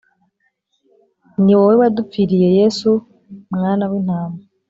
Niwowe wadupfiriye yesu mwana w’intama